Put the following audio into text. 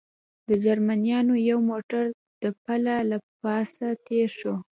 د جرمنیانو یو موټر د پله له پاسه تېر شو.